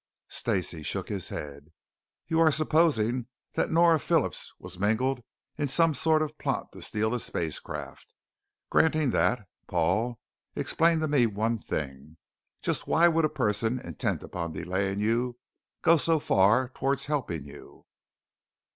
Stacey shook his head. "You are supposing that Nora Phillips was mingled in some sort of plot to steal a spacecraft. Granting that, Paul, explain me one thing. Just why would a person intent upon delaying you go so far towards helping you?"